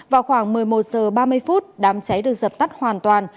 vào khoảng một mươi một h ba mươi đám cháy được dập tắt hoàn toàn